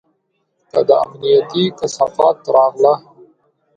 که دا امنيتي کثافات راغله.